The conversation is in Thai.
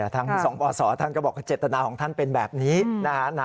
ทั้งสองปศท่านก็บอกว่าเจตนาของท่านเป็นแบบนี้นะฮะ